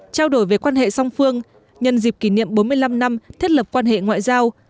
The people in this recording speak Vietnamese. trao đổi về quan hệ song phương nhân dịp kỷ niệm bốn mươi năm năm thiết lập quan hệ ngoại giao